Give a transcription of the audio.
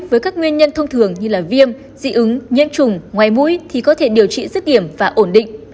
với các nguyên nhân thông thường như viêm dị ứng nhiễm trùng ngoài mũi thì có thể điều trị sức điểm và ổn định